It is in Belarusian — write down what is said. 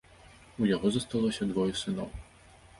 У яго засталося двое сыноў.